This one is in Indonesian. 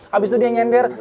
habis itu dia nyender